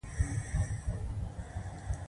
آزاد تجارت مهم دی ځکه چې موسیقي نړیواله کوي.